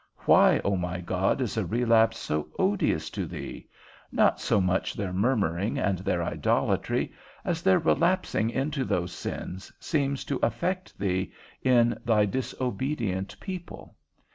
Why, O my God, is a relapse so odious to thee? Not so much their murmuring and their idolatry, as their relapsing into those sins, seems to affect thee in thy disobedient people.